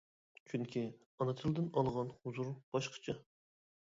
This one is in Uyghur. چۈنكى ئانا تىلدىن ئالغان ھۇزۇر باشقىچە.